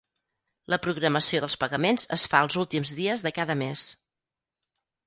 La programació dels pagaments es fa els últims dies de cada mes.